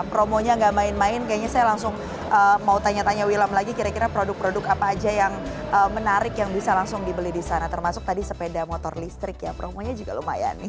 promonya gak main main kayaknya saya langsung mau tanya tanya wilam